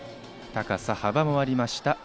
高さ、幅もありました。